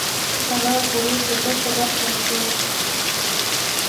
هغه غرور د ده په برخه شو.